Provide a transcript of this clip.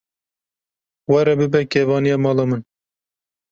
Were bibe kevaniya mala min.